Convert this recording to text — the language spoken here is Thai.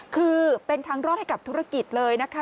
คือเป็นทางรอดให้กับธุรกิจเลยนะคะ